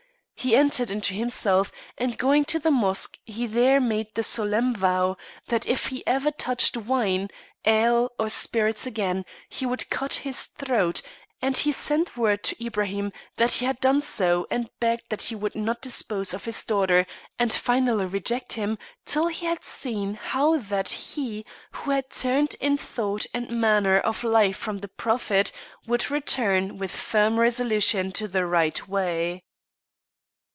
He entered into himself, and going to the mosque he there made a solemn vow that if he ever touched wine, ale, or spirits again he would cut his throat, and he sent word to Ibraim that he had done so, and begged that he would not dispose of his daughter and finally reject him till he had seen how that he who had turned in thought and manner of life from the Prophet would return with firm resolution to the right way.